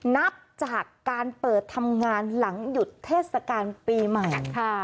นับจากการเปิดทำงานหลังหยุดเทศกาลปีใหม่